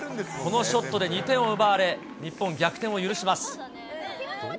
このショットで２点を奪われ、日本、逆転を許します。